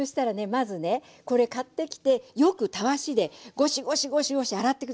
まずねこれ買ってきてよくたわしでゴシゴシゴシゴシ洗って下さい。